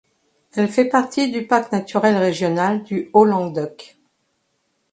Elle fait partie du parc naturel régional du Haut-Languedoc.